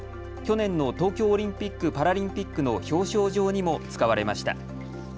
去年の東京オリンピック・パラリンピックの表彰状にも使われました。